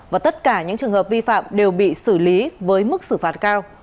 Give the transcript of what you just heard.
và tất cả những trường hợp vi phạm đều bị xử lý với mức xử phạt cao